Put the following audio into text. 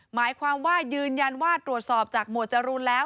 หมายความว่ายืนยันว่าตรวจสอบจากหมวดจรูนแล้ว